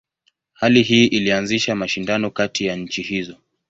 Hali hii ilianzisha mashindano kati ya nchi hizo.